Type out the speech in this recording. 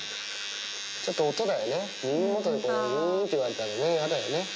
ちょっと音だよね、耳元でうぃーんっていわれたら嫌だよね。